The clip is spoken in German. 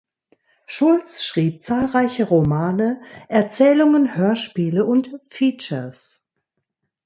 Schulz schrieb zahlreiche Romane, Erzählungen, Hörspiele und Features.